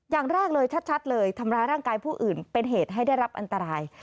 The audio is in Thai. อย่างแรกเลยชัดเลยทำร้ายร่างกายผู้อื่นเป็นเหตุให้ได้รับอันตราย